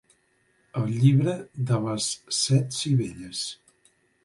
El llibre de les set sivelles.